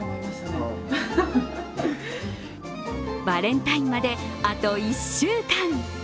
バレンタインまであと１週間。